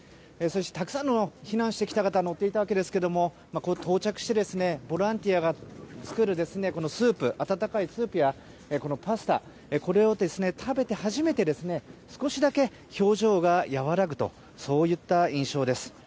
たくさんの避難してきた方が乗っていたわけですが到着して、ボランティアが作る温かいスープパスタ、これを食べて初めて少しだけ表情が和らぐといった印象です。